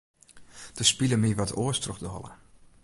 Der spile my wat oars troch de holle.